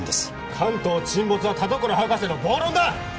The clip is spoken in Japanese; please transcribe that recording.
関東沈没は田所博士の暴論だ！